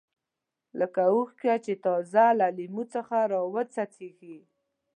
لکه اوښکه چې تازه له لیمو څخه راوڅڅېږي.